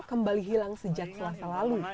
kembali hilang sejak selasa lalu